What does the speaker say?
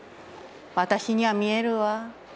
私には見えるわ。